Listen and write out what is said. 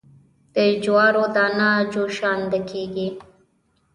د جوارو دانه جوشانده کیږي.